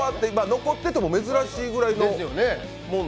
残ってても珍しいぐらいの。